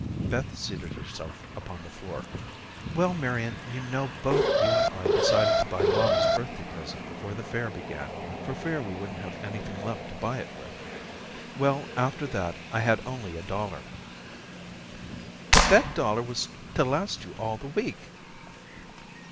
Beth seated herself upon the floor. "Well, Marian, you know both you and I decided to buy mamma's birthday present before the Fair began for fear we wouldn't have anything left to buy it with. Well, after that I had only a dollar." "But that dollar was to last you all the week."